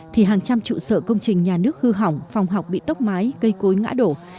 thì hàng trăm trụ sở công trình nhà nước hư hỏng phòng học bị tốc mái cây cối ngã đổ